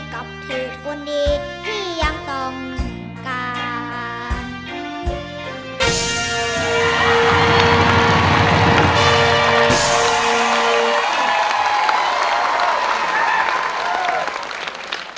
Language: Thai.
กับเธอคนดีที่ยังต้องการ